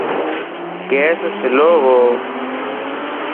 گيس سلووَ